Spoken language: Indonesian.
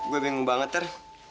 gue bingung banget ter